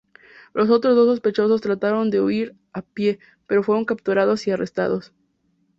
Los otros dos sospechosos trataron de huir a pie pero fueron capturados y arrestados.